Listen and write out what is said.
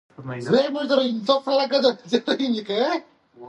ښتې د افغانستان د بشري فرهنګ برخه ده.